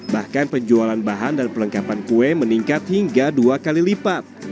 bahkan penjualan bahan dan pelengkapan kue meningkat hingga dua kali lipat